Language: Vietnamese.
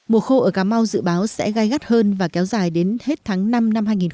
mùa khô ở cà mau dự báo sẽ gai gắt hơn và kéo dài đến hết tháng năm năm hai nghìn hai mươi